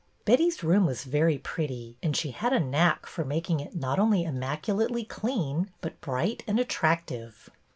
Betty's room was very pretty, and she had a knack of making it not only immaculately clean, but bright and attractive.